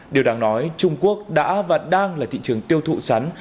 điều đáng nói trung quốc đã và đang là thị trường tiêu thụ sắn